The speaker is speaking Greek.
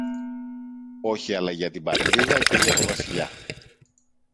Όχι, αλλά για την Πατρίδα και για το Βασιλιά!